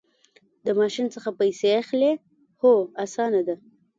د ماشین څخه پیسې اخلئ؟ هو، اسانه ده